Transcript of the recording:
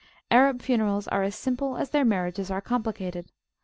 Arab funerals are as simple as their marriages are complicated.